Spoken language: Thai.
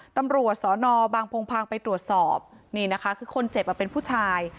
ตำรวจสอนอบางพงพางไปตรวจสอบนี่นะคะคือคนเจ็บอ่ะเป็นผู้ชาย